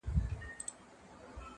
ځوان پر لمانځه ولاړ دی.